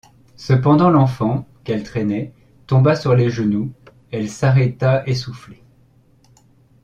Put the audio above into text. Cependant l’enfant, qu’elle traînait, tomba sur les genoux ; elle s’arrêta essoufflée.